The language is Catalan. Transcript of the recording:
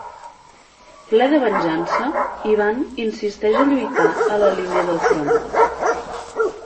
Ple de venjança, Ivan insisteix a lluitar a la línia del front.